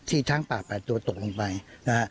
ช้างป่า๘ตัวตกลงไปนะฮะ